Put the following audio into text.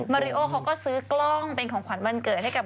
มาริโอเขาก็ซื้อกล้องเป็นของขวัญวันเกิดให้กับ